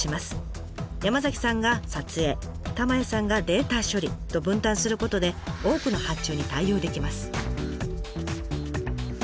山さんが撮影玉舎さんがデータ処理と分担することで多くの発注に対応できます。